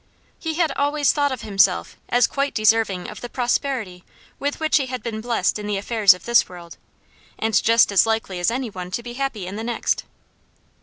He had always thought of himself as quite deserving of the prosperity with which he had been blessed in the affairs of this world, and just as likely as any one to be happy in the next.